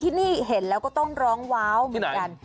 ที่นี่เห็นแล้วก็ต้องร้องว้าวเหมือนกัน